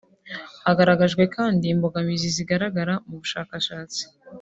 Hagaragajwe kandi imbogamizi zigaragara mu bushakashatsi